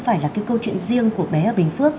phải là cái câu chuyện riêng của bé ở bình phước